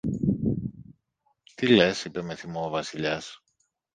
Τι λες; είπε με θυμό ο Βασιλιάς.